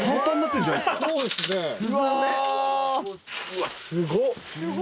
うわっすごっ！